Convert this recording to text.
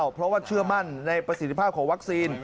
เพราะว่าเชื่อมั่นในประสิทธิภาพของวัคซีน